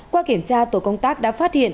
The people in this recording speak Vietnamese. qua kiểm tra tổ công tác đã phát hiện